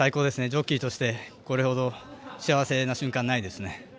ジョッキーとしてこれほど幸せな瞬間ないですね。